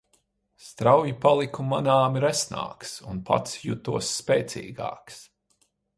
Strauji paliku manāmi resnāks un pats jutos spēcīgāks.